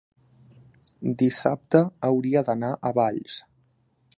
dissabte hauria d'anar a Valls.